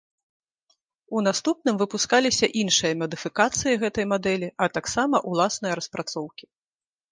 У наступным выпускаліся іншыя мадыфікацыі гэтай мадэлі, а таксама ўласныя распрацоўкі.